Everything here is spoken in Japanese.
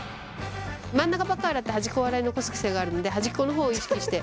真ん中ばっかり洗って端っこを洗い残す癖があるんで端っこの方を意識して。